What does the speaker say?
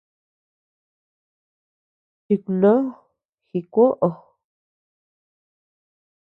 Tikunó ji kuoʼo.